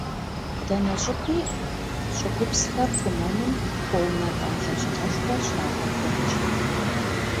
Дэнэ щӀыпӀи щӀыгупсхэр хъумэным хуэунэтӀауэ лэжьыгъэшхуэ щрагъэкӀуэкӀ.